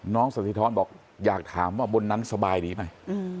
สถิธรบอกอยากถามว่าบนนั้นสบายดีไหม